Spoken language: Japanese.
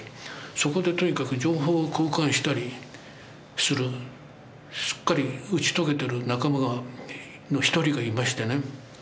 そこでとにかく情報を交換したりするすっかり打ち解けてる仲間の一人がいましてね。